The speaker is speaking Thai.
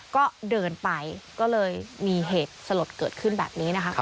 ก็เดินไปก็เลยมีเหตุสลดเกิดขึ้นแบบนี้นะคะ